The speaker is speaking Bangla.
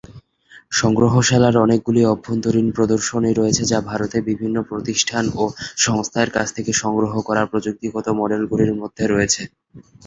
সংগ্রহশালার অনেকগুলি অভ্যন্তরীণ প্রদর্শনী রয়েছে যা ভারতে বিভিন্ন প্রতিষ্ঠান ও সংস্থার কাছ থেকে সংগ্রহ করা প্রযুক্তিগত মডেলগুলির মধ্যে রয়েছে।